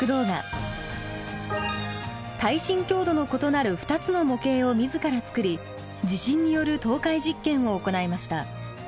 耐震強度の異なる２つの模型を自らつくり地震による倒壊実験を行いました。